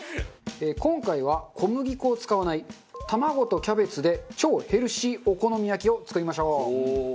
今回は小麦粉を使わない卵とキャベツで超ヘルシーお好み焼きを作りましょう。